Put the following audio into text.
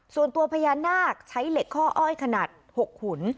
ส่วนตัวพญานาคใช้เหล็กข้ออ้อยขนาด๖ขุน